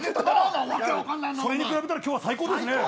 それに比べたら今日は最高。